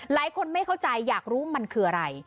หลายคนไม่เข้าใจอยากรู้มันคืออะไร